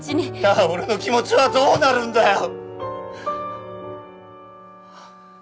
じゃあ俺の気持ちはどうなるんだよ！